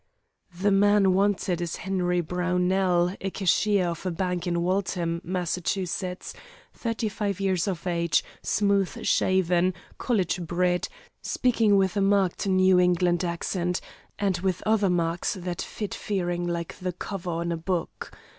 "The man wanted is Henry Brownell, a cashier of a bank in Waltham, Mass., thirty five years of age, smooth shaven, college bred, speaking with a marked New England accent, and and with other marks that fit Fearing like the cover on a book.